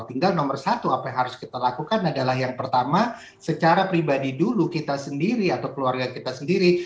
tinggal nomor satu apa yang harus kita lakukan adalah yang pertama secara pribadi dulu kita sendiri atau keluarga kita sendiri